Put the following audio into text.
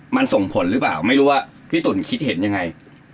มันส่งผลหรือเปล่าไม่รู้ว่าพี่ตุ๋นคิดเห็นยังไง